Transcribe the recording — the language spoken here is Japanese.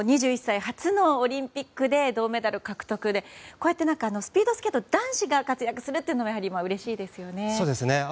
２１歳初のオリンピックで銅メダル獲得でこうやってスピードスケート男子が活躍するというのがやはりうれしいですよね。